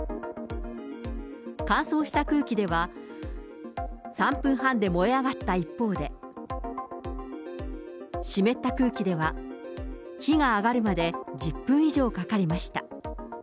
乾燥した空気では、３分半で燃え上がった一方で、湿った空気では火が上がるまで１０分以上かかりました。